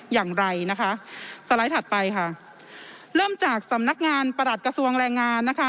อย่างไรนะคะสไลด์ถัดไปค่ะเริ่มจากสำนักงานประหลัดกระทรวงแรงงานนะคะ